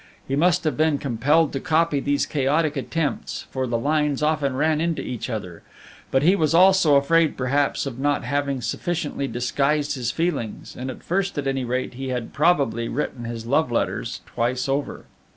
He must have been compelled to copy these chaotic attempts, for the lines often ran into each other; but he was also afraid perhaps of not having sufficiently disguised his feelings, and at first, at any rate, he had probably written his love letters twice over.